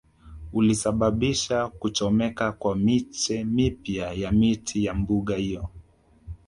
Ulisababisha kuchomeka kwa miche mipya ya miti ya mbuga hiyo